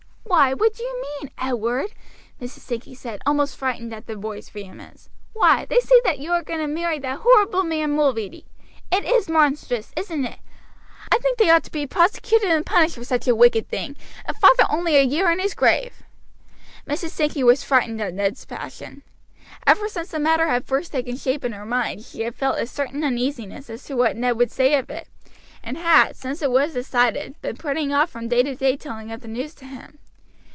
"Why, what do you mean, Edward?" Mrs. Sankey said, almost frightened at the boy's vehemence. "Why, they say that you are going to marry that horrible man Mulready. It is monstrous, isn't it? I think they ought to be prosecuted and punished for such a wicked thing, and father only a year in his grave." Mrs. Sankey was frightened at Ned's passion. Ever since the matter had first taken shape in her mind she had felt a certain uneasiness as to what Ned would say of it, and had, since it was decided, been putting off from day to day the telling of the news to him.